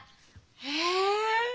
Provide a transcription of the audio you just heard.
へえ。